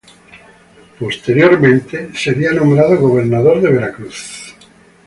Posteriormente, sería nombrado gobernador de Veracruz.